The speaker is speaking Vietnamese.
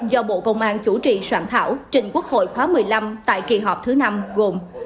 do bộ công an chủ trì soạn thảo trình quốc hội khóa một mươi năm tại kỳ họp thứ năm gồm